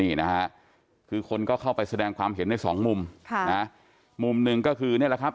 นี่นะฮะคือคนก็เข้าไปแสดงความเห็นในสองมุมค่ะนะมุมหนึ่งก็คือนี่แหละครับ